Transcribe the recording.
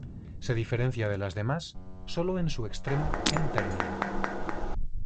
Se diferencia de las demás sólo en su extremo N-terminal.